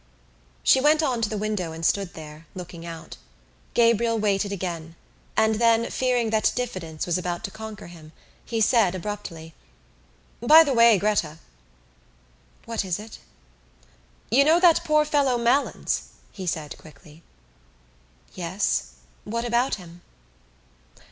She went on to the window and stood there, looking out. Gabriel waited again and then, fearing that diffidence was about to conquer him, he said abruptly: "By the way, Gretta!" "What is it?" "You know that poor fellow Malins?" he said quickly. "Yes. What about him?"